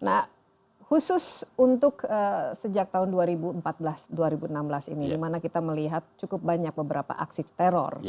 nah khusus untuk sejak tahun dua ribu empat belas dua ribu enam belas ini dimana kita melihat cukup banyak beberapa aksi teror